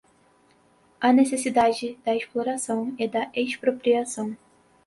a necessidade da exploração e da expropriação